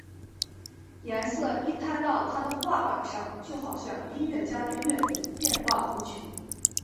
颜色一摊到他的画板上就好像音乐家的乐谱变化无穷！